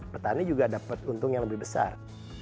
petani juga dapat untung yang lebih besar